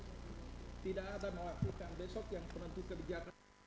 tidak ada melakukan besok yang penentu kebijakan